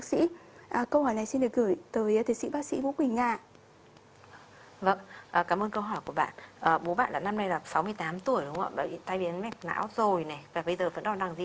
xin cảm ơn bác sĩ